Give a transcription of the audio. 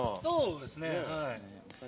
そうですね。